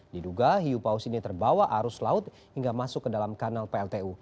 diduga hiu paus ini terbawa arus laut hingga masuk ke dalam kanal pltu